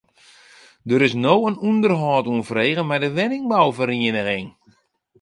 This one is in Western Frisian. Der is no in ûnderhâld oanfrege mei de wenningbouferieniging.